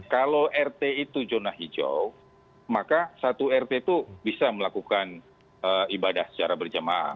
kalau rt itu zona hijau maka satu rt itu bisa melakukan ibadah secara berjemaah